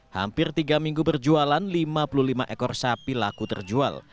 hampir tiga minggu berjualan lima puluh lima ekor sapi laku terjual